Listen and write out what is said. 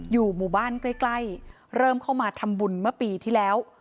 อยู่หมู่บ้านใกล้เริ่มเข้ามาทำบุญเมื่อปีที่แล้ว